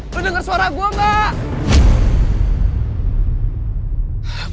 lo denger suara gue mbak